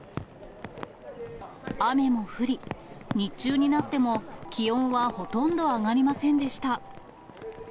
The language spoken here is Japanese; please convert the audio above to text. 雨も降り、日中になっても気温はほとんど上がりませんでした。